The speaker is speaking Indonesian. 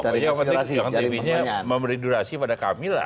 yang penting memberi durasi pada kami lah